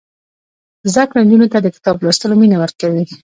زده کړه نجونو ته د کتاب لوستلو مینه ورکوي.